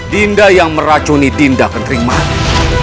dinda yang meracuni dinda kenteri manik